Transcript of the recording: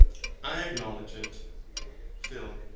I acknowledge it. PHIL.